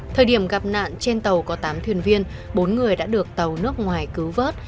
thời điểm gặp nạn trên tàu có tám thuyền viên bốn người đã được tàu nước ngoài cứu vớt